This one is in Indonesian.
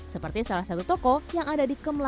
seperti salah satu toko yang ada di kota solo